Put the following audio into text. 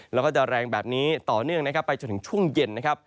และแรงแบบนี้ต่อเนื่องไปจนถึงช่วงเย็น